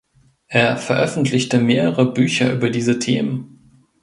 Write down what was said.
Er veröffentlichte mehrere Bücher über diese Themen.